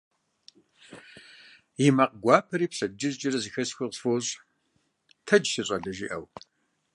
И макъ гуапэри пщэдджыжькӏэрэ зэхэсхыу къысфӏощӏ: «Тэдж, си щӏалэ», - жиӏэу.